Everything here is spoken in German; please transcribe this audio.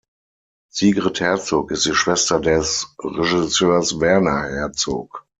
Sigrid Herzog ist die Schwester des Regisseurs Werner Herzog.